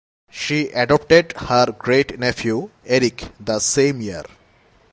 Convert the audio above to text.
She adopted her great-nephew Erik the same year.